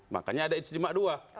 makanya ada istimewa dua